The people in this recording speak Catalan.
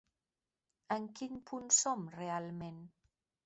En quin punt som realment?